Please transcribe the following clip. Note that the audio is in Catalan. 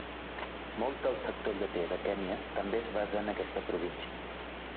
Molt del sector lleter de Kenya també es basa en aquesta província.